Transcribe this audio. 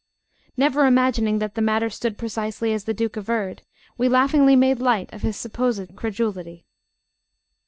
Never imagining that the matter stood precisely as the Duke averred, we laughingly made light of his supposed credulity.